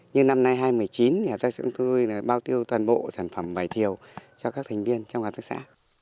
như năm nay hai nghìn một mươi chín hợp tác xã cũng tui bào tiêu toàn bộ sản phẩm vải thiều cho các thành viên trong hợp tác xã